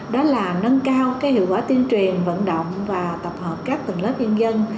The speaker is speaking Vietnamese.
đó là nâng cao hiệu quả tiên truyền vận động và tập hợp các tầng lớp nhân dân